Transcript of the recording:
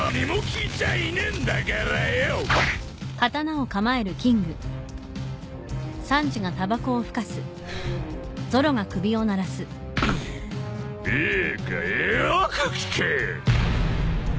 いいかよく聞け！